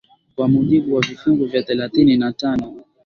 kwa mujibu wa vifungu vya thelathini na tano i